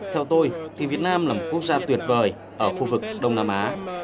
theo tôi thì việt nam là một quốc gia tuyệt vời ở khu vực đông nam á